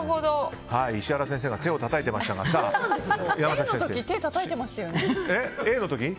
石原先生が手をたたいていましたがＡの時てをたたいてましたよね？